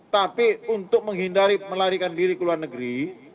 tapi untuk menghindari melarikan diri ke luar negeri